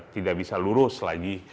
tidak bisa lurus lagi